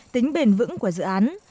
tính bền vững của dự án